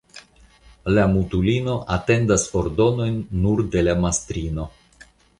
La mutulino atendas ordonojn nur de la mastrino.